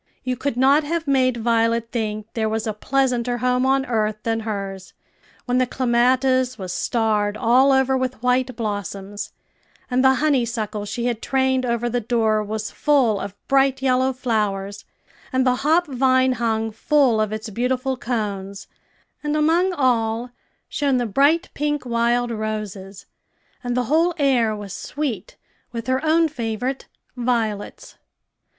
You could not have made Violet think there was a pleasanter home on earth than hers, when the clematis was starred all over with white blossoms, and the honeysuckle she had trained over the door was full of bright yellow flowers, and the hop vine hung full of its beautiful cones, and among all shone the bright pink wild roses, and the whole air was sweet with her own favorite violets.